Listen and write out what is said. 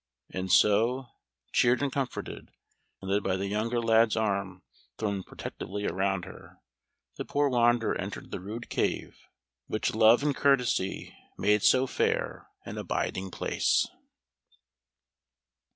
And so, cheered and comforted, and led by the younger lad's arm thrown protectingly around her, the poor wanderer entered the rude cave, which love and courtesy made so fair an abiding place.